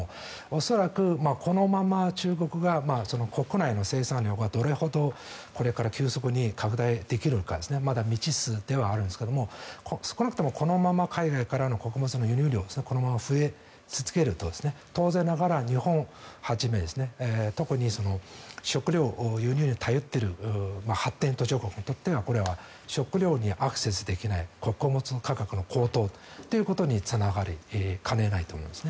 恐らくこのまま中国が国内の生産量がどれほどこれから急速に拡大できるかまだ未知数ではあるんですが少なくともこのまま海外からの穀物の輸入量が増え続けると当然ながら日本をはじめ特に食料を輸入に頼っている発展途上国にとってはこれは食料にアクセスできない穀物価格の高騰につながりかねないと思います。